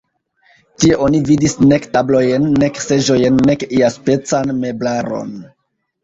Tie oni vidis nek tablojn, nek seĝojn, nek iaspecan meblaron.